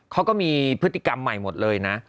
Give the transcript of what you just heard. เขาก็มีพฤติกรรมใหม่หมดเลยนะ